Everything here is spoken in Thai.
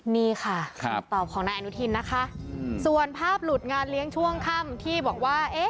นี่ค่ะคำตอบของนายอนุทินนะคะส่วนภาพหลุดงานเลี้ยงช่วงค่ำที่บอกว่า